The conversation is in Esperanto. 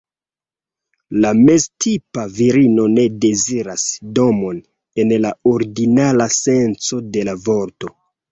La meztipa virino ne deziras domon en la ordinara senco de la vorto.